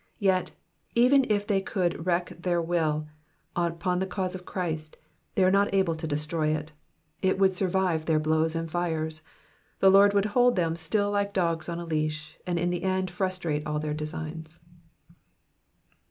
Yet, even if they could wreak their will upon the cause of Christ, they are not able to destroy it, it would survive their blows and tires ; the Lord would hold them still like dogs in a leash, and in the end frustrate all their designs.